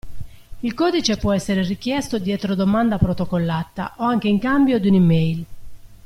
Il codice può essere richiesto dietro domanda protocollata o anche in cambio di una e-mail.